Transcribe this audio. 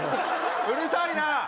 うるさいな！